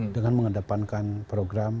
dengan mengedepankan program